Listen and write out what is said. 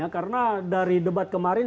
karena dari debat kemarin